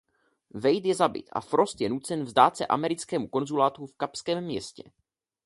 Wade je zabit a Frost je nucen vzdát se americkému konzulátu v Kapském Městě.